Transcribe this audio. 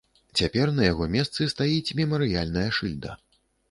Цяпер на яго месцы стаіць мемарыяльная шыльда.